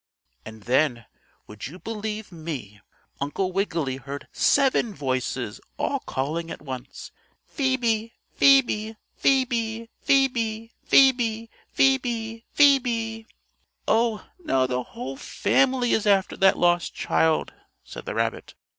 And then, would you believe me, Uncle Wiggily heard seven voices, all calling at once: "Phoebe! Phoebe! Phoebe! Phoebe! Phoebe! Phoebe! Phoebe!" "Oh, now the whole family is after that lost child," said the rabbit.